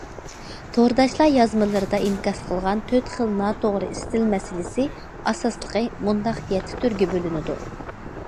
تورداشلار يازمىلىرىدا ئىنكاس قىلغان تۆت خىل ناتوغرا ئىستىل مەسىلىسى ئاساسلىقى مۇنداق يەتتە تۈرگە بۆلىنىدۇ.